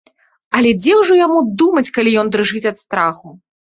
Але дзе ўжо яму думаць, калі ён дрыжыць ад страху.